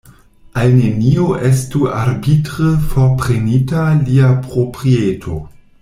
Al neniu estu arbitre forprenita lia proprieto.